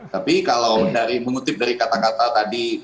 tapi kalau dari mengutip dari kata kata tadi